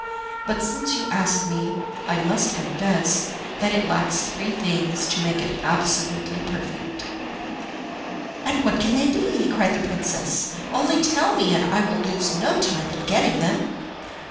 But since you ask me, I must confess that it lacks three things to make it absolutely perfect." "And what can they be?" cried the princess. "Only tell me, and I will lose no time in getting them."